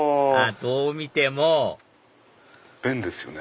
どう見ても便ですよね。